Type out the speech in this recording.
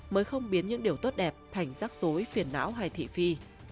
mới không biến những điều tốt đẹp thành rắc rối phiền não hay thị phi